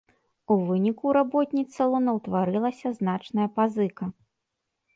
У выніку ў работніц салона ўтварылася значная пазыка.